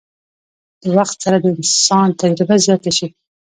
د وخت سره د انسان تجربه زياته شي